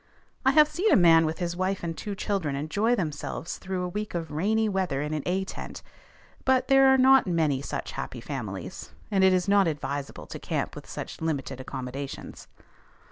I have seen a man with his wife and two children enjoy themselves through a week of rainy weather in an A tent; but there are not many such happy families, and it is not advisable to camp with such limited accommodations.